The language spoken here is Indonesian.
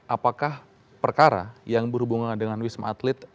apakah perkara yang berhubungan dengan wisma atlet